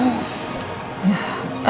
makanya aku tegur elsa